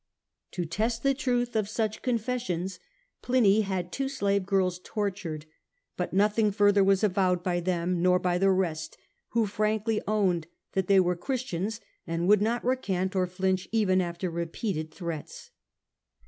To test the truth of such confessions, Pliny had two slave girls tortured, but nothing further was avowed by them nor by the rest who frankly owned that they were Christians, and would not recant or flinch even after repeated threats.